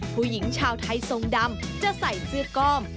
ผู้หญิงชาวไทยทรงดำจะใส่เสื้อก้อม